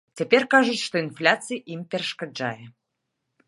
Цяпер кажуць, што інфляцыя ім перашкаджае.